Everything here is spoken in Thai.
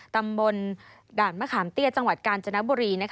ตำบลด่านมะขามเตี้ยจังหวัดกาญจนบุรี